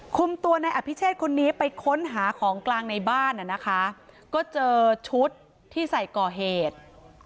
คุมตัวในอภิเชษคนนี้ไปค้นหาของกลางในบ้านนะคะก็เจอชุดที่ใส่ก่อเหตุ